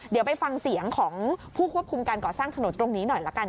เดี๋ยวไปฟังเสียงของผู้ควบคุมการก่อสร้างถนนตรงนี้หน่อยละกัน